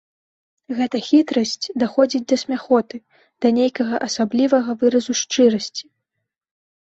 Гэта хітрасць даходзіць да смяхоты, да нейкага асаблівага выразу шчырасці.